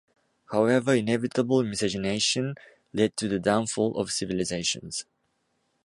However, inevitable miscegenation led to the "downfall of civilizations".